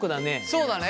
そうだね。